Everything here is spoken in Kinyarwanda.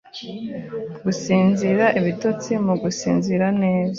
Gusinzira ibitotsi nu gusinzira neza